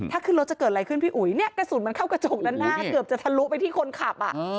ถ้าขึ้นรถจะเกิดอะไรขึ้นพี่อุ๋ยเนี่ยกระสุนมันเข้ากระจกด้านหน้า